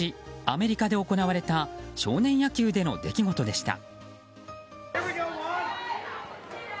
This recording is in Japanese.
アメリカで行われた少年野球での出来事でした。